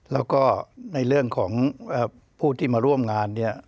แล้วก็ในเรื่องของผู้ที่มาร่วมงานเนี่ย